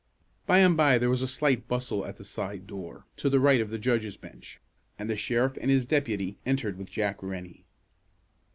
By and by there was a slight bustle at the side door, to the right of the judges' bench, and the sheriff and his deputy entered with Jack Rennie.